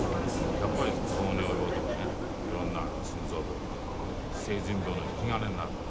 やっぱり糖尿病とかね色んな心臓病とか成人病の引き金になるから。